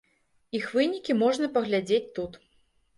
Іх вынікі можна паглядзець тут.